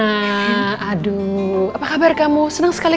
apa kabar kamu seneng sekali